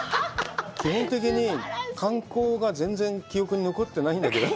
基本的に、観光が全然記憶に残ってないんだけど。